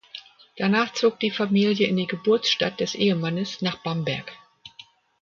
Danach zog die Familie in die Geburtsstadt des Ehemannes nach Bamberg.